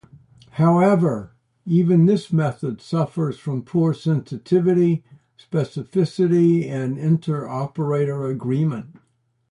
However, even this method suffers from poor sensitivity, specificity, and inter-operator agreement.